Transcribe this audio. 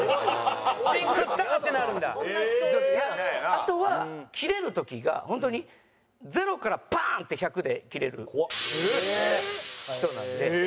あとはキレる時が本当にゼロからパーンって１００でキレる人なので。